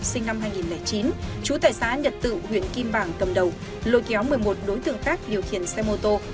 sinh năm hai nghìn chín trú tại xã nhật tự huyện kim bảng cầm đầu lôi kéo một mươi một đối tượng khác điều khiển xe mô tô